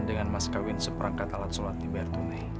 dengan mas kawin seperangkat alat sholat di bairdunai